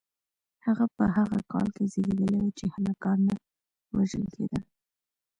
هغه په هغه کال کې زیږیدلی و چې هلکان نه وژل کېدل.